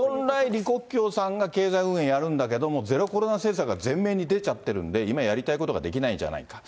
本来、李克強さんが経済運営やるんだけども、ゼロコロナ政策が前面に出ちゃってるんで、今、やりたいことができないんじゃないか。